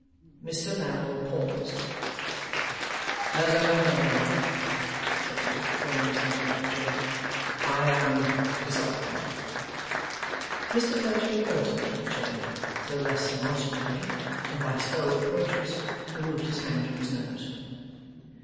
Mr Lammle paused. 'As a man of honour,' said he, throwing himself into a chair, 'I am disarmed.' Mr Fledgeby also took a chair, though less demonstratively, and by slow approaches removed his hand from his nose.